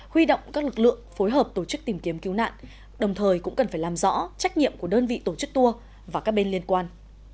huy động các lực lượng phối hợp tổ chức tìm kiếm cứu nạn đồng thời cũng cần phải làm rõ trách nhiệm của đơn vị tổ chức tour và các bên liên quan